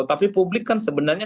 tapi publik kan sebenarnya